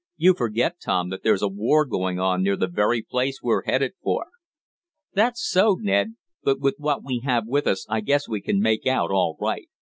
"You forget, Tom, that there's a war going on near the very place we're headed for." "That's so, Ned. But with what we have with us I guess we can make out all right.